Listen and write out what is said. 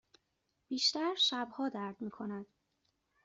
بیشتر شبها درد می کند.